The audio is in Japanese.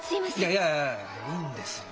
いやいやいいんですよ。